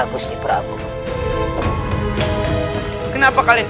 menyai raka runting